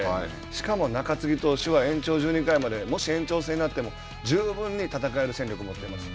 しかも、中継ぎ投手は延長１２回までもし延長戦になっても十分に戦える戦力を持っています。